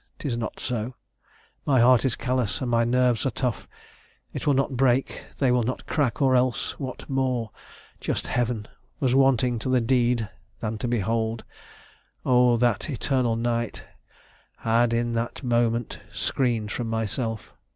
'Tis not so; My heart is callous, and my nerves are tough; It will not break; they will not crack; or else What more, just heaven! was wanting to the deed, Than to behold Oh! that eternal night Had in that moment screened from myself!